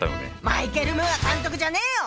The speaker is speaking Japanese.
マイケル・ムーア監督じゃねえよ！